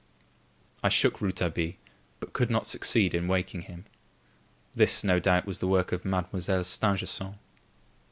I shook Rouletabille, but could not succeed in waking him. This, no doubt, was the work of Mademoiselle Stangerson.